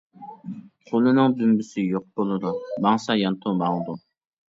قۇلىنىڭ دۈمبىسى يوق بولىدۇ، ماڭسا يانتۇ ماڭىدۇ.